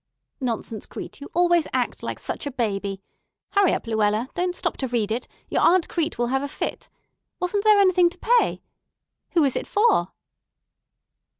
"Nonsense, Crete, you always act like such a baby. Hurry up, Luella. Don't stop to read it. Your aunt Crete will have a fit. Wasn't there anything to pay? Who is it for?"